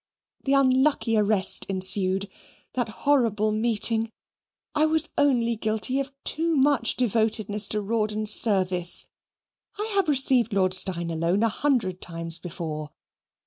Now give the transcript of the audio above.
That unlucky arrest ensued; that horrible meeting. I was only guilty of too much devotedness to Rawdon's service. I have received Lord Steyne alone a hundred times before.